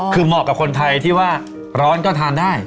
คือเหมาะกับคนไทยที่ว่าร้อนก็ทานได้